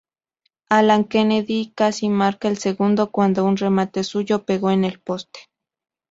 Alan Kennedy casi marca el segundo cuando un remate suyo pegó en el poste.